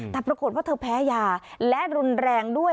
แต่ปรากฏว่าเธอแพ้ยาและรุนแรงด้วย